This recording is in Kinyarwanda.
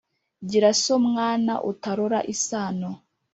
Gira so mwana utarora isano